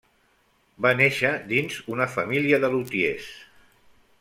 Va néixer dins una família de lutiers.